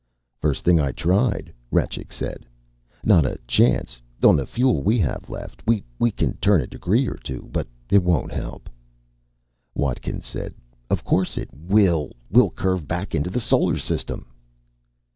"First thing I tried," Rajcik said. "Not a chance, on the fuel we have left. We can turn a degree or two, but it won't help." Watkins said, "Of course it will! We'll curve back into the Solar System!"